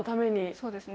そうですね。